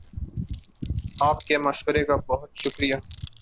آپ کے مشورے کا بہت شکر یہ